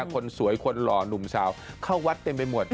คนสวยคนหล่อหนุ่มสาวเข้าวัดเต็มไปหมด